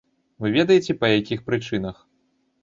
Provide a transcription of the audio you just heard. Вы ведаеце па якіх прычынах.